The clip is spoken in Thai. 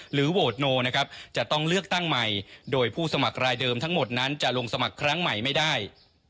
โหวตโนนะครับจะต้องเลือกตั้งใหม่โดยผู้สมัครรายเดิมทั้งหมดนั้นจะลงสมัครครั้งใหม่ไม่ได้